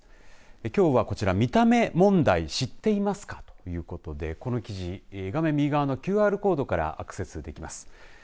きょうはこちら見た目問題知っていますかということでこの記事画面右側のＱＲコードからアクセスできます。